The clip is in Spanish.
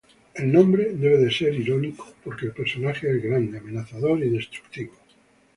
El nombre debe ser irónico porque el personaje es grande, amenazador y destructivo.